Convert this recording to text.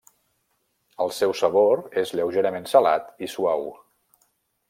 El seu sabor és lleugerament salat i suau.